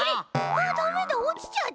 あっダメだおちちゃった。